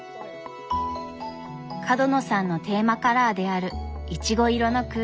角野さんのテーマカラーであるいちご色の空間。